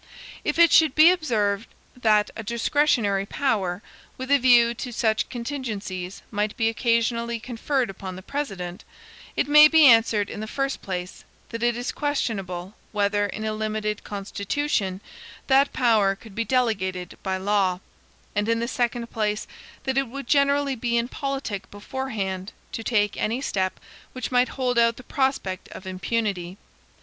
If it should be observed, that a discretionary power, with a view to such contingencies, might be occasionally conferred upon the President, it may be answered in the first place, that it is questionable, whether, in a limited Constitution, that power could be delegated by law; and in the second place, that it would generally be impolitic beforehand to take any step which might hold out the prospect of impunity.